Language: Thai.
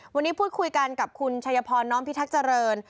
วันนี้พูดคุยกันกับคุณชัยพรน้อมพิทักษ์เจริญ